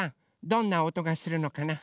どんなおとがするのかな？